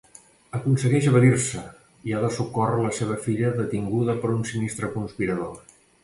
Aconsegueix evadir-se, i ha de socórrer la seva filla detinguda per un sinistre conspirador.